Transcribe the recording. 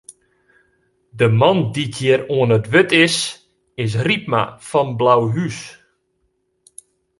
De man dy't hjir oan it wurd is, is Rypma fan Blauhûs.